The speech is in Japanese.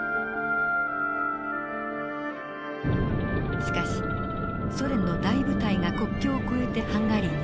しかしソ連の大部隊が国境を越えてハンガリーに侵入。